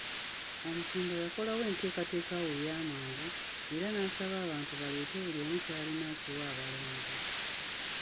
Omusumba yakolawo enteekateeka awo ey'amangu era n'asaba abantu baleete buli omu ky'alina akiwe abalongo.